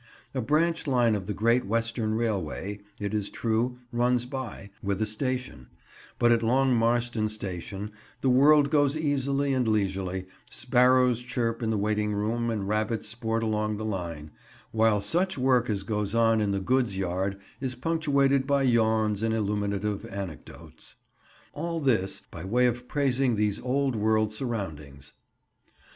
A branch line of the Great Western Railway, it is true, runs by, with a station, but at Long Marston station the world goes easily and leisurely; sparrows chirp in the waiting room and rabbits sport along the line; while such work as goes on in the goods yard is punctuated by yawns and illuminative anecdotes. All this by way of praising these old world surroundings.